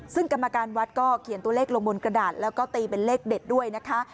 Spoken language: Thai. ซึ่งกรรมการวัดก็เขียนตัวเลขลงบนกระดาษแล้วก็ตีเป็นเลขเด็ดด้วยนะคะ